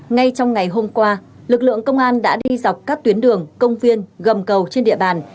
ngay trong ngày hôm qua lực lượng công an đã đi dọc các tuyến đường công viên gầm cầu trên địa bàn